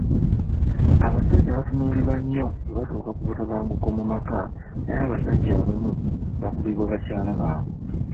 Abasajja batuinuulirwa nnyo bwe kituuka ku butabanguko mu maka naye abasajja abamu bakubibwa bakyala baabwe.